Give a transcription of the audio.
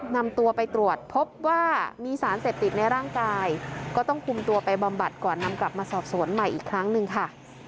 นำตัวไปตรวจพบว่ามีสารเสพติดในร่างกายก็ต้องคุมตัวไปบำบัดก่อนนำกลับมาสอบสวนใหม่อีกครั้งหนึ่งค่ะ